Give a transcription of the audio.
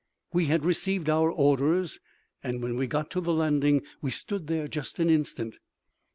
We had received our orders, and when we got to the landing we stood there just an instant.